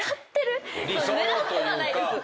⁉狙ってはないです。